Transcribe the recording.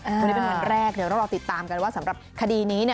วันนี้เป็นวันแรกเดี๋ยวเราติดตามกันว่าสำหรับคดีนี้